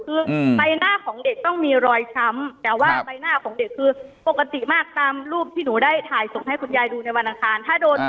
คือใบหน้าของเด็กต้องมีรอยช้ำแต่ว่าใบหน้าของเด็กคือปกติมากตามรูปที่หนูได้ถ่ายส่งให้คุณยายดูในวันอังคารถ้าโดน